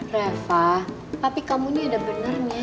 reva papi kamu nih ada benernya